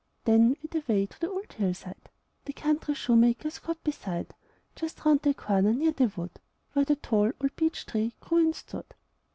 Then we'd away to the old hillside, The country shoemaker's cot beside Just 'round the corner, near the wood, Where the tall old beech tree grew and stood.